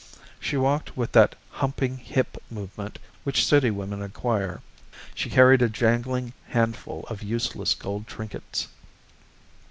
She walked with that humping hip movement which city women acquire. She carried a jangling handful of useless gold trinkets.